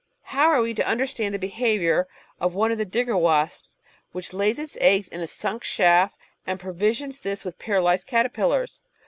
How are we to understand the behaviour of one of the I^igg^i* Wasps which lays its eggs in a sunk shaft, and provisions this with paralysed caterpillars?